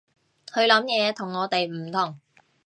佢諗嘢同我哋唔同